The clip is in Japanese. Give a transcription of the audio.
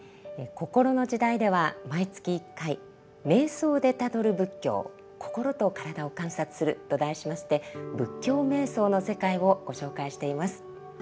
「こころの時代」では毎月１回「瞑想でたどる仏教心と身体を観察する」と題しまして仏教瞑想の世界をご紹介しています。